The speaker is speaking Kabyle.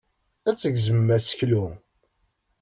Ad tgezmem aseklu.